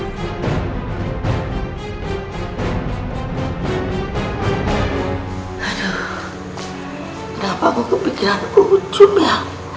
aduh kenapa aku kepikiran aku ucum ya